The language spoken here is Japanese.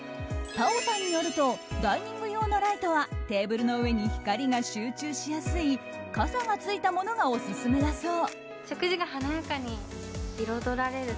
Ｔａｏさんによるとダイニング用のライトはテーブルの上に光が集中しやすい傘がついたものがオススメだそう。